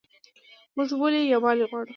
موږ ولې یووالی غواړو؟